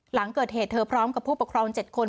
หลังเกิดเหตุเธอพร้อมกับผู้ปกครอง๗คน